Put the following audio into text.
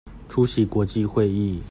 出席國際會議